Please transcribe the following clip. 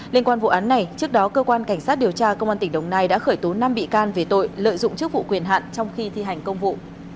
liên quan vụ án này trước đó cơ quan cảnh sát điều tra công an tỉnh đồng nai đã khởi tố năm bị can về tội lợi dụng chức vụ quyền hạn trong khi thi hành công vụ